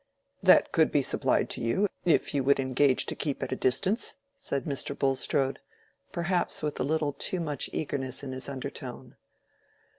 "That could be supplied to you, if you would engage to keep at a distance," said Mr. Bulstrode, perhaps with a little too much eagerness in his undertone.